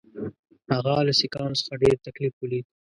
هغه له سیکهانو څخه ډېر تکلیف ولید.